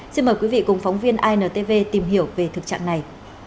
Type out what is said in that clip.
xin mời quý vị cùng phóng viên intv tìm hiểu về thực trạng này